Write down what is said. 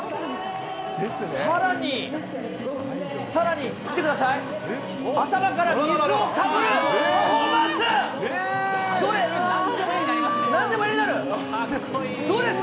さらに、さらに、見てください、頭から水をかぶるパフォーマンス。